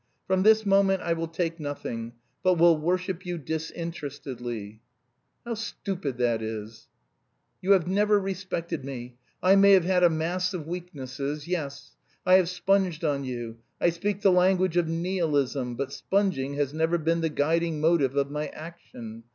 From this moment I will take nothing, but will worship you disinterestedly." "How stupid that is!" "You have never respected me. I may have had a mass of weaknesses. Yes, I have sponged on you. I speak the language of nihilism, but sponging has never been the guiding motive of my action.